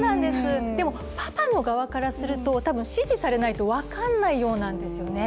でもパパの側からすると多分指示されないと分かんないようなんですよね。